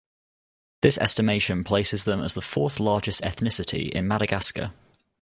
This estimation places them as the fourth-largest ethnicity in Madagascar.